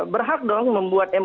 berhak dong membuat mou